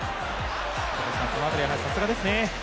この辺り、やはりさすがですね。